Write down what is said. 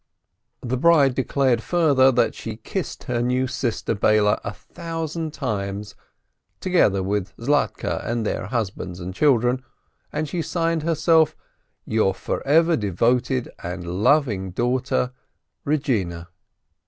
The bride declared further that she kissed her new sister, Beile, a thousand times, together with Zlatke and their husbands and children, and she signed herself "Your forever devoted and loving daughter Eegina."